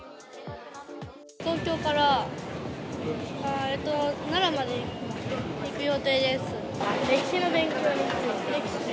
東京から奈良まで行く予定です。